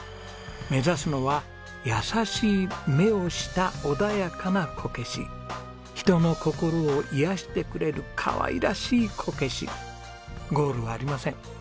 目指すのは優しい目をした穏やかなこけし人の心を癒やしてくれるかわいらしいこけしゴールはありません。